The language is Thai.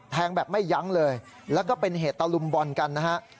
แบบไม่ยั้งเลยแล้วก็เป็นเหตุตะลุมบอลกันนะฮะ